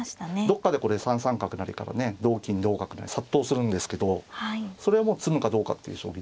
どっかでこれ３三角成からね同金同角成殺到するんですけどそれはもう詰むかどうかっていう将棋ですよね。